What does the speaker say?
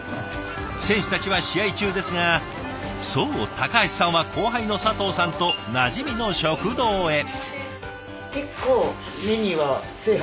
選手たちは試合中ですがそう橋さんは後輩の佐藤さんとなじみの食堂へ。